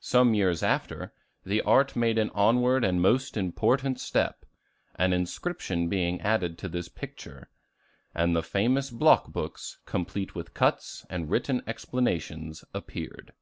Some years after, the art made an onward and most important step, an inscription being added to this picture; and the famous block books, complete with cuts and written explanations, appeared.